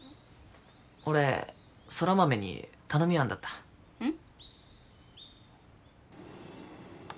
俺空豆に頼みあんだったうん？